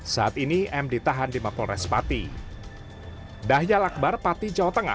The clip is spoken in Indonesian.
saat ini m ditahan di maklores pati